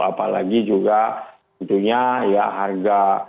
apalagi juga tentunya ya harga